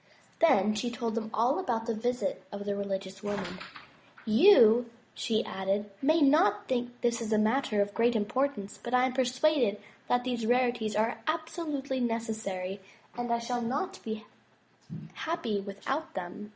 Then she told them all about the visit of the religious woman. "You," she added, "may not think this a matter of great im portance, but I am persuaded these rarities are absolutely nec 6i MY BOOK HOUSE essary and I shall not be happy without them.